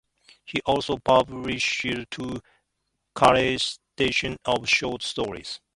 He also published two collections of short stories.